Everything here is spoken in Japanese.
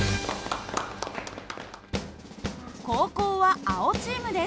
後攻は青チームです。